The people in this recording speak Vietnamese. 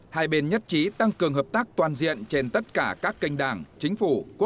hai bên nhất trí tăng cường hợp tác toàn diện trên tất cả các kênh đảng chính phủ quốc